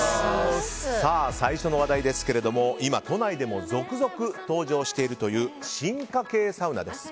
最初の話題ですけれども今、都内でも続々登場しているという進化系サウナです。